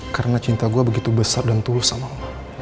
karena cinta gue begitu besar dan tulus sama lo